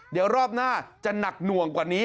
เดี๋ยวรอบหน้าจะหนักหน่วงกว่านี้